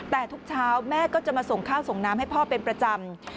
แต่ทุกเช้าแม่ก็จะมาส่งข้าวส่งน้ำให้พ่อเป็นประจำ